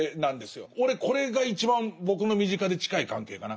俺これが一番僕の身近で近い関係かな。